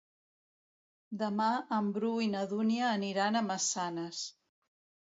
Demà en Bru i na Dúnia aniran a Massanes.